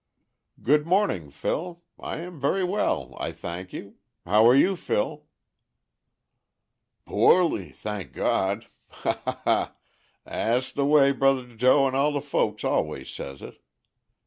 "Good morning, Phil. I am very well, I thank you. How are you, Phil?" "Poorly, thank God. Ha! ha! ha! Dat's de way Bro' Joe and all de folks always says it.